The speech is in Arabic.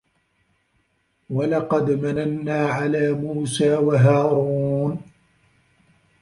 وَلَقَد مَنَنّا عَلى موسى وَهارونَ